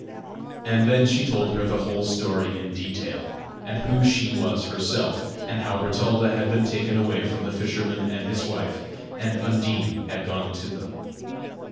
And then she told her the whole story in detail, and who she was herself, and how Bertalda had been taken away from the fisherman and his wife, and Undine had gone to them.